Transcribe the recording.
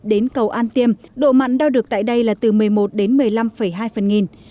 đến cầu an tiêm độ mặn đo được tại đây là từ một mươi một đến một mươi năm hai phần nghìn